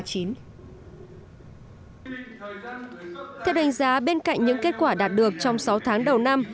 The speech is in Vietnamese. theo đánh giá bên cạnh những kết quả đạt được trong sáu tháng đầu năm